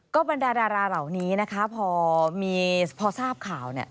ก็บรรดาดาราเหล่านี้นะคะพอมีพอทราบข่าวเนี่ย